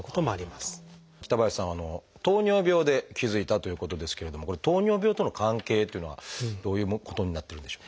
北林さんは糖尿病で気付いたということですけれどもこれ糖尿病との関係っていうのはどういうことになってるんでしょう？